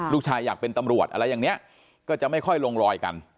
อยากเป็นตำรวจอะไรอย่างนี้ก็จะไม่ค่อยลงรอยกัน